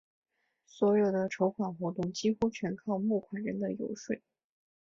所有的筹款活动几乎全靠募款人的游说。